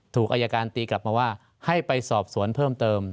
อายการตีกลับมาว่าให้ไปสอบสวนเพิ่มเติม